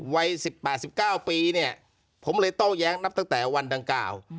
วัย๑๘๑๙ปีเนี่ยผมเลยโต้แย้งนับตั้งแต่วันดังกล่าว